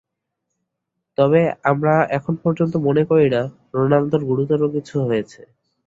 তবে আমরা এখন পর্যন্ত মনে করি না, রোনালদোর গুরুতর কিছু হয়েছে।